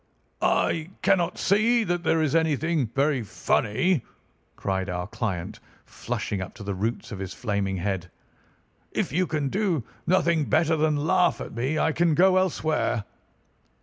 "I cannot see that there is anything very funny," cried our client, flushing up to the roots of his flaming head. "If you can do nothing better than laugh at me, I can go elsewhere."